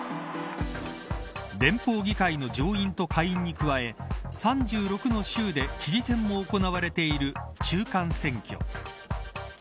連邦議会の上院と下院に加え３６の州で知事選も行われている中間選挙。